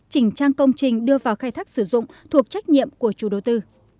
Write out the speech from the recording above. hình trạng công trình đưa vào khai thác sử dụng thuộc trách nhiệm của chủ đô tư